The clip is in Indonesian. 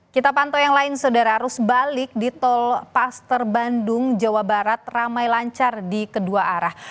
kita pantau yang lain saudara arus balik di tol paster bandung jawa barat ramai lancar di kedua arah